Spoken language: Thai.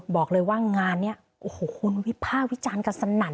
บอกเลยว่างานนี้โอ้โหคนวิภาควิจารณ์กันสนั่น